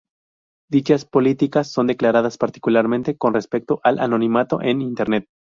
Dichas políticas son declaradas particularmente con respecto al anonimato en Internet.